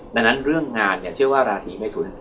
ดังนั้นเรื่องงานเนี่ยเชื่อว่าราศีเมทุน